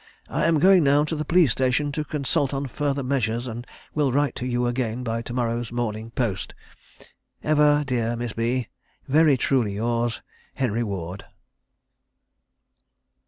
I am going now to the police station to consult on further measures, and will write to you again by to morrow morning's post. "Ever, dear Miss B, Very truly yours, "HENRY WARD."